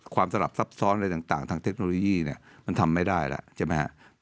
ความสลับซับซ้อนอะไรต่างทางเทคโนโลยีมันทำไม่ได้แล้ว